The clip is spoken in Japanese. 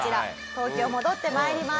東京戻って参ります。